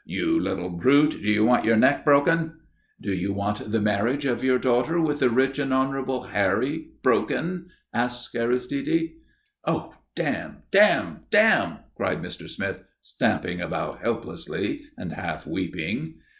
"You little brute! Do you want your neck broken?" "Do you want the marriage of your daughter with the rich and Honourable Harry broken?" asked Aristide. "Oh, damn! Oh, damn! Oh, damn!" cried Mr. Smith, stamping about helplessly and half weeping.